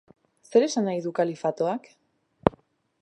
Zer esan nahi du kalifatoak?